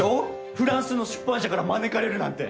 フランスの出版社から招かれるなんて！